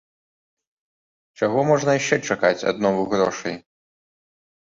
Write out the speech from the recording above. Чаго можна яшчэ чакаць ад новых грошай?